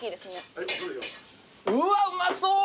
うわうまそう！